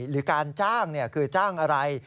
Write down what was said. หรือการจ้างคือจ้างอะไร